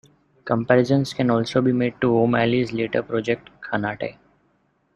Comparisons can also be made to O'Malley's later project Khanate.